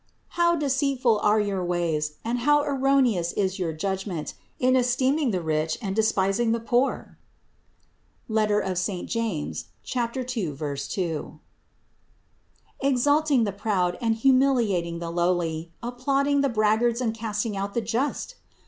How deceitful are your ways and how erroneous is your judgment in esteeming the rich and despising the poor (James 2, 2), exalting the proud and humiliating the lowly, applauding the braggarts and casting out the just!